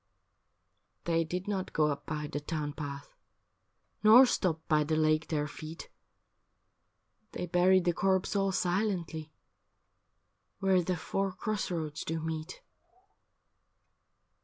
' They did not go up by the town path, Nor stopped by the lake their feet, They buried the corpse all silently Where the four cross roads do meet.'